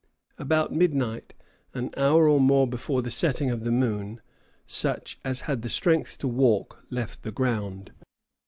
About midnight, an hour or more before the setting of the moon, such as had strength to walk left the ground.